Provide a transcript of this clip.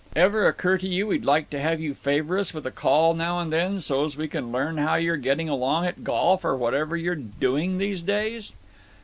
Ever occur to you we'd like to have you favor us with a call now and then so's we can learn how you're getting along at golf or whatever you're doing these days?"